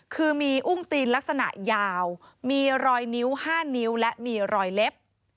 คือมีอุ้งตีนลักษณะยาวมีรอยนิ้ว๕นิ้วและมีรอยเล็บ